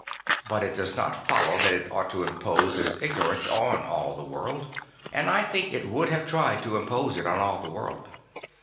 But it does not follow that it ought to impose its ignorance on all the world. And I think it would have tried to impose it on all the world.